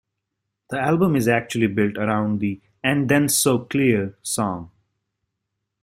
The album is actually built around the "And Then So Clear" song.